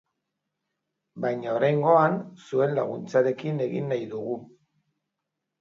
Baina oraingoan, zuen laguntzarekin egin nahi dugu.